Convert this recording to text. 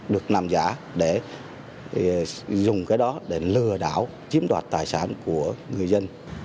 được làm giả để dùng cái đó để lừa đảo chiếm đoạt tài sản của người dân